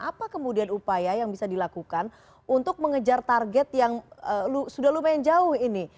apa kemudian upaya yang bisa dilakukan untuk mengejar target yang sudah lumayan jauh ini